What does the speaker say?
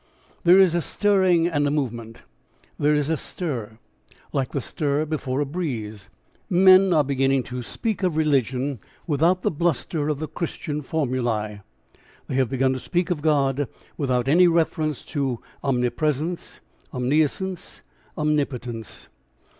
There is a stirring and a movement. There is a stir, like the stir before a breeze. Men are beginning to speak of religion without the bluster of the Christian formulae; they have begun to speak of God without any reference to Omnipresence, Omniscience, Omnipotence.